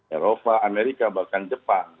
eropa amerika bahkan jepang